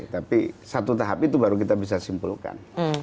tapi satu tahap itu baru kita bisa simpulkan